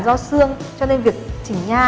do xương cho nên việc chỉnh nha